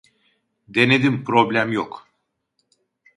Denedim problem yok